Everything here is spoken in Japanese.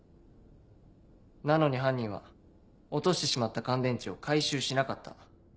なのに犯人は落としてしまった乾電池を回収しなかった。